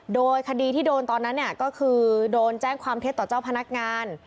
โดยคดีที่โดนตอนนั้นก็คือโดนแจ้งความเท็จต่อเจ้าพนักงาน